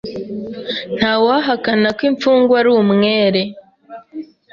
Ntawahakana ko imfungwa ari umwere.